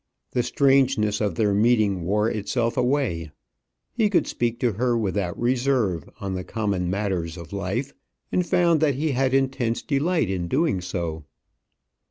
The strangeness of their meeting wore itself away: he could speak to her without reserve on the common matters of life, and found that he had intense delight in doing so.